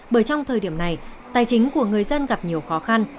bởi trong thời điểm này tài chính của người dân gặp nhiều khó khăn